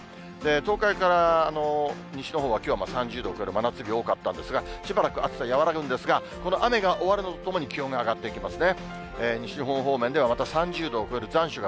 東海から西のほうは、きょうは３０度を超える真夏日多かったんですが、しばらく暑さ、和らぐんですが、この雨が終わるのとともに、気温が上がっていきますね。